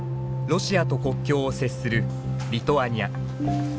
ロシアと国境を接するリトアニア。